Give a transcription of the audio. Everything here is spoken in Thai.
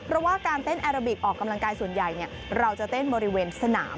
เพราะว่าการเต้นแอโรบิกออกกำลังกายส่วนใหญ่เราจะเต้นบริเวณสนาม